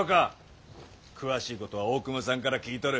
詳しいことは大隈さんから聞いとる。